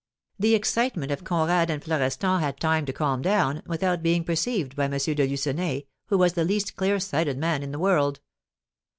The excitement of Conrad and Florestan had time to calm down, without being perceived by M. de Lucenay, who was the least clear sighted man in the world.